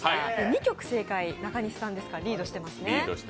２曲正解が中西さんですからリードしてますね。